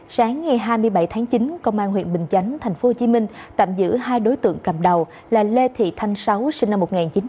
sáng ngày hai mươi bảy tháng chín công an huyện bình chánh tp hcm tạm giữ hai đối tượng cầm đầu là lê thị thanh sáu sinh năm một nghìn chín trăm tám mươi